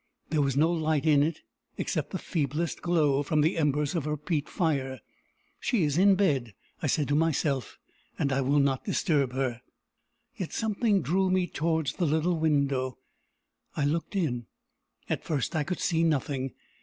There was no light in it, except the feeblest glow from the embers of her peat fire. "She is in bed," I said to myself, "and I will not disturb her." Yet something drew me towards the little window. I looked in. At first I could see nothing.